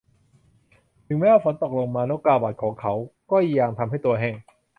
ถึงแม้ว่าฝนตกลงมา นกกาเหว่าของเขาก็ยังทำให้ตัวแห้ง